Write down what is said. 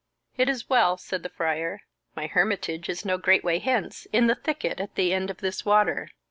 "It is well," said the Friar; "my hermitage is no great way hence, in the thicket at the end of this water.